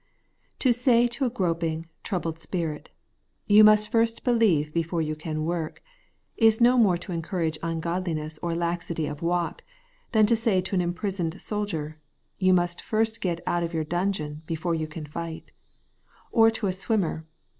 To say to a groping, troubled spirit. You must first believe before you can work, is no more to encourage ungodliness or laxity of walk, than to say to an imprisoned soldier. You must first get out of your dungeon before you can fight ; or to a swimmer.